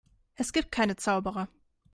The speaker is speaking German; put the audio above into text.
Es gibt keine Zauberer.